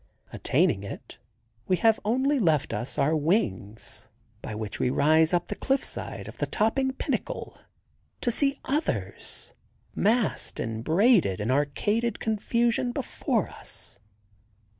Attaining it, we have only left us our wings, by which we rise up the cliff side of the topping pinnacle—to see others, massed in braided and arcaded confusion before us.